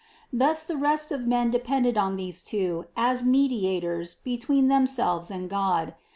Thus the rest of men de pended on these Two as Mediators between themselves and God.